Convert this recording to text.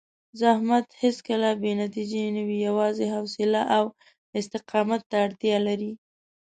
زحمت هېڅکله بې نتیجې نه وي، یوازې حوصله او استقامت ته اړتیا لري.